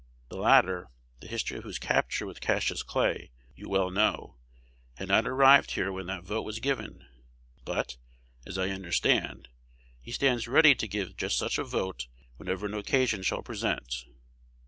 The latter, the history of whose capture with Cassius Clay you well know, had not arrived here when that vote was given; but, as I understand, he stands ready to give just such a vote whenever an occasion shall present.